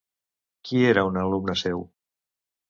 Qui era un alumne seu?